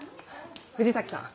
藤崎さん